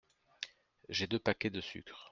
J’ai deux paquets de sucre.